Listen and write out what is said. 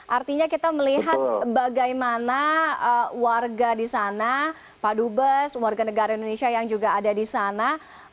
artinya kita melihat bagaimana warga di sana pak dubes warga negara indonesia yang juga ada di sana